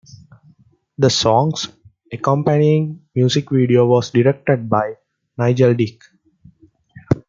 The song's accompanying music video was directed by Nigel Dick.